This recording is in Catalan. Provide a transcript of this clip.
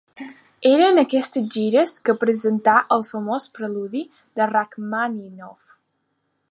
Era en aquestes gires que presentà el famós Preludi de Rakhmàninov.